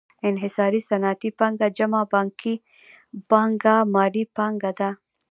انحصاري صنعتي پانګه جمع بانکي پانګه مالي پانګه ده